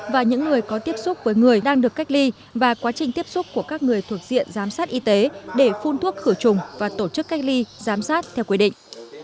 và những người có tiếp xúc với người đang được cách ly và quá trình tiếp xúc của các người thuộc diện giám sát y tế để phun thuốc khử trùng và tổ chức cách ly giám sát theo quy định